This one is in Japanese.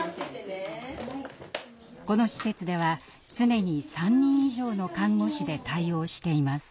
この施設では常に３人以上の看護師で対応しています。